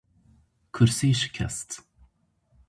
Kursî şikest